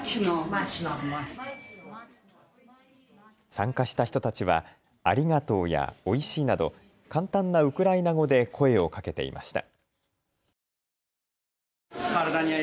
参加した人たちは、ありがとうやおいしいなど簡単なウクライナ語で声をかけていました。